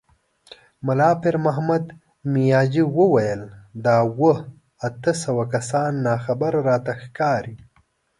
ملا پيرمحمد مياجي وويل: دا اووه، اته سوه کسان ناخبره راته ښکاري.